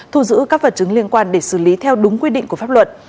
thu giữ các vật chứng liên quan để xử lý theo đúng quy định của pháp luật